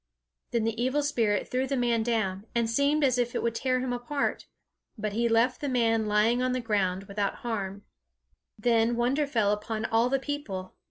Then the evil spirit threw the man down, and seemed as if he would tear him apart; but he left the man lying on the ground, without harm. Then wonder fell upon all the people.